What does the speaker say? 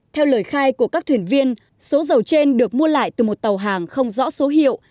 theo lời khai của các thuyền viên số dầu trên được mua lại từ một tàu hàng không rõ số hiệu